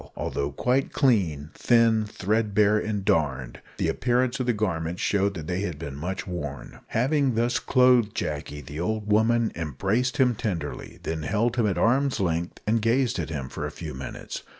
Although quite clean, thin, threadbare, and darned, the appearance of the garments showed that they had been much worn. Having thus clothed Jacky, the old woman embraced him tenderly, then held him at arm's length and gazed at him for a few minutes.